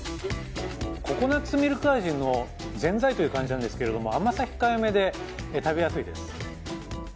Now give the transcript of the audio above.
ココナッツミルク味のぜんざいという感じなんですが甘さ控えめで食べやすいです。